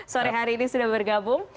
sore hari ini sudah bergabung